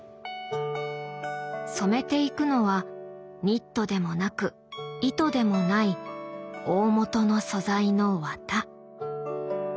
染めていくのはニットでもなく糸でもない大本の素材の綿。